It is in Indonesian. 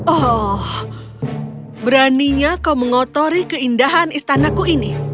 oh beraninya kau mengotori keindahan istanaku ini